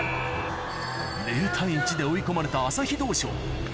０対１で追い込まれた朝飛道場